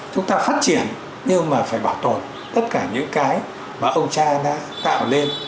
chúng ta phát triển nhưng mà phải bảo tồn tất cả những cái mà ông cha đã tạo lên